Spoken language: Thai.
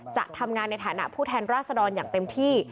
จะทำงานในฐานะผู้แทนราษฎรอย่างเต็มที่